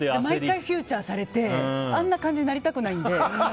毎回、フィーチャーされてあんな感じになりたくないので。